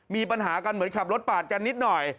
มีปัญหากันเหมือนขับรถปาดกันนิดหน่อย